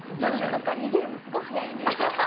逃げるのすごい速いイメージ。